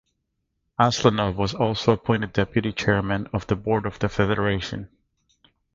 Aslanov was also appointed Deputy Chairman of the Board of the Federation.